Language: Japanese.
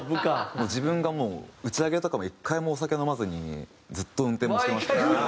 自分がもう打ち上げとかも１回もお酒飲まずにずっと運転もしてました。